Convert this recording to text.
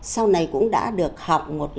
sau này cũng đã được học một